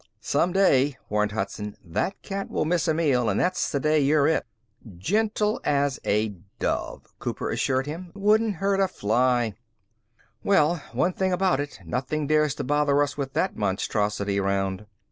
"Some day," warned Hudson, "that cat will miss a meal and that's the day you're it." "Gentle as a dove," Cooper assured him. "Wouldn't hurt a fly." "Well, one thing about it, nothing dares to bother us with that monstrosity around."